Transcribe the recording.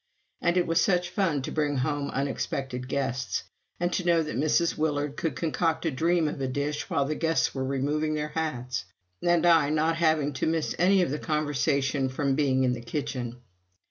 And it was such fun to bring home unexpected guests, and to know that Mrs. Willard could concoct a dream of a dish while the guests were removing their hats; and I not having to miss any of the conversation from being in the kitchen.